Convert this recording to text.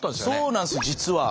そうなんですよ実は。